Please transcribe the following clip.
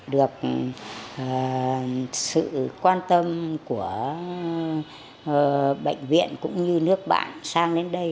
được sự quan tâm của bệnh viện cũng như nước bạn sang đến đây